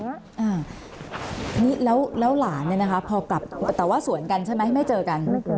อ่านี่แล้วหลานเนี่ยนะคะพอกลับแต่ว่าสวนกันใช่ไหมไม่เจอกัน